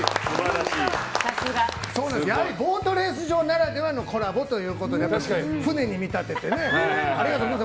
ボートレース場ならではのコラボということで船に見立ててね。